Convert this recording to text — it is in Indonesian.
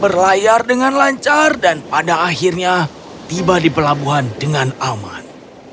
berlayar dengan lancar dan pada akhirnya tiba di pelabuhan dengan aman